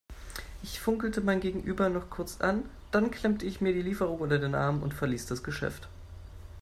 Ich funkelte mein Gegenüber noch kurz an, dann klemmte ich mir die Lieferung unter den Arm und verließ das Geschäft.